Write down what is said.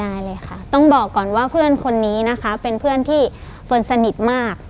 ได้เลยค่ะต้องบอกก่อนว่าเพื่อนคนนี้นะคะเป็นเพื่อนที่คนสนิทมาก